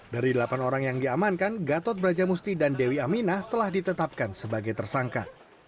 dari delapan orang yang diamankan gatot brajamusti dan dewi aminah telah ditetapkan sebagai tersangka